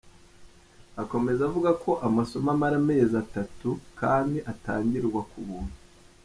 Akomeza avuga ko amasomo amara amezi atatu kandi atangirwa ku buntu.